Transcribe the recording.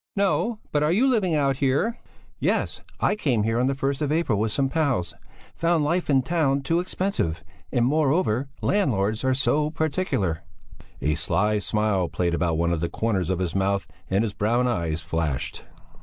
"No! But are you living out here?" "Yes; I came here on the first of April with some pals. Found life in town too expensive and, moreover, landlords are so particular." A sly smile played about one of the corners of his mouth and his brown eyes flashed.